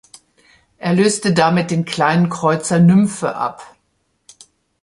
Er löste damit den Kleinen Kreuzer "Nymphe" ab.